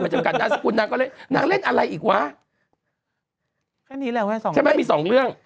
ไม่จำกัดนางสกุลนางเลยนางเล่นอะไรอีกวะใช่ไหมมี๒เรื่อง